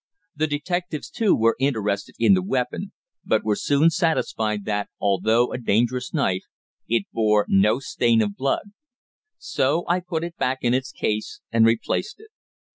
The detectives, too, were interested in the weapon, but were soon satisfied that, although a dangerous knife, it bore no stain of blood. So I put it back in its case and replaced it.